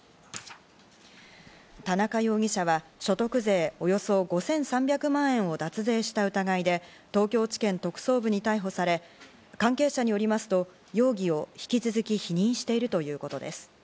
田中容疑者は所得税およそ５３００万円を脱税した疑いで東京地検特捜部に逮捕され、関係者によりますと容疑を引き続き否認しているということです。